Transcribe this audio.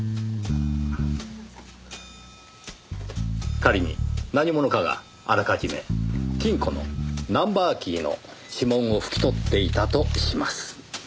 仮に何者かがあらかじめ金庫のナンバーキーの指紋を拭き取っていたとします。